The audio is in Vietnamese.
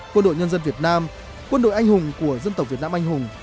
quân đội nhân dân việt nam quân đội anh hùng của dân tộc việt nam anh hùng